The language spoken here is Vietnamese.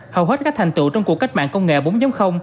hầu hết các thành tựu trong cuộc cách mạng công nghệ bốn